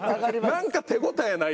なんか手応えない。